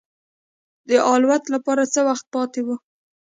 د الوت لپاره څه وخت پاتې و.